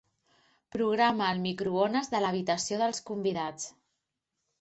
Programa el microones de l'habitació dels convidats.